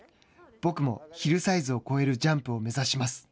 僕もヒルサイズを超えるジャンプを目指します。